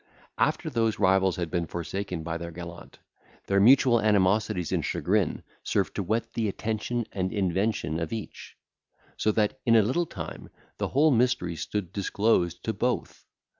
After those rivals had been forsaken by their gallant, their mutual animosities and chagrin served to whet the attention and invention of each; so that in a little time the whole mystery stood disclosed to both.